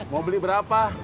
mau beli berapa